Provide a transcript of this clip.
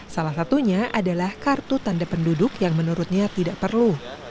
salah satunya adalah kartu tanda penduduk yang menurutnya tidak perlu